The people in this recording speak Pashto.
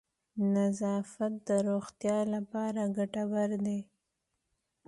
نظافت د روغتیا لپاره گټور دی.